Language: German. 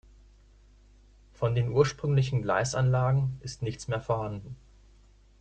Von den ursprünglichen Gleisanlagen ist nichts mehr vorhanden.